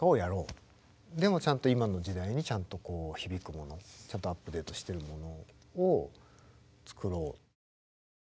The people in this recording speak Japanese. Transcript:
でもちゃんと今の時代にちゃんとこう響くものちゃんとアップデートしてるものを作ろう。